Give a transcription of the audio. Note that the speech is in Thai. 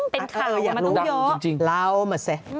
เป็นข่าวมาต้องเยอะเรามาซะ